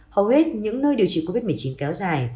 hầu hết những nơi điều trị covid một mươi chín kéo dài